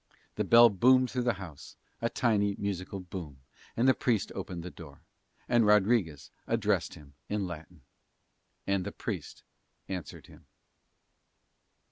The bell boomed through the house, a tiny musical boom, and the Priest opened the door; and Rodriguez addressed him in Latin. And the Priest answered him.